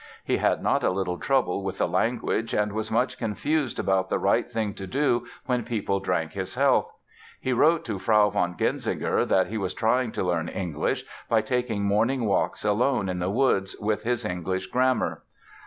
He had not a little trouble with the language and was much confused about the right thing to do when people drank his health. He wrote to Frau von Genzinger that he was trying to learn English by taking morning walks alone in the woods "with his English grammar."